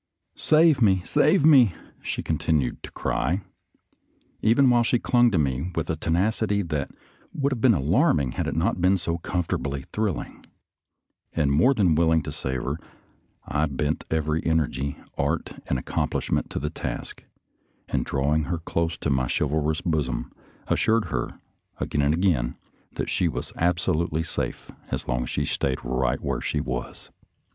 " Save me, save me !" she continued to cry, even while she clung to me with a tenacity that would have been alarming had it not been so comfortably thrilling; and more than willing to save her, I bent every energy, art, and accom plishment to the task, and drawing her close to my chivalrous bosom, assured her, again and 214 SOLDIER'S LETTERS TO CHARMING NELLIE again, that she was absolutely safe as long as she stayed right where she was.